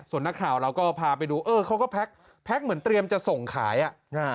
ส่วนนักข่าวเราก็พาไปดูเออเขาก็แพ็คเหมือนเตรียมจะส่งขายอ่ะอ่า